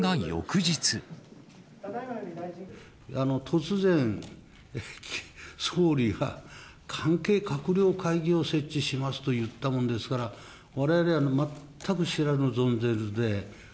突然、総理が関係閣僚会議を設置しますと言ったもんですから、われわれは全く知らぬ存ぜぬで。